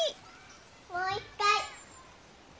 もう一回！